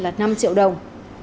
năm triệu đồng